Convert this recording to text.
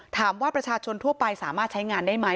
ถามว่าประชาชนทั่วไปสามารถใช้งานได้ไหม